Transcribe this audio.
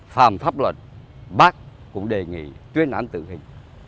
phạm thấp luật bác cũng đề nghị chuyên án tự hình